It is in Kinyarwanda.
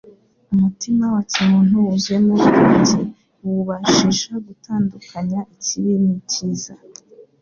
Umutima wa kimuntu wuzuyemo ubwenge buwubashisha gutandukailya ikibi n'icyiza.